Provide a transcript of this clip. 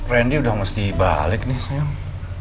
randy udah mesti balik nih sayang